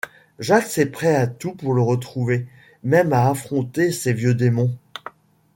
Jax est prêt à tout pour le retrouver, même à affronter ses vieux démons...